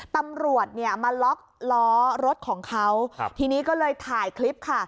ตำรวจเนี่ยมาล็อกล้อรถของเขาทีนี้ก็เลยถ่ายคลิปค่ะ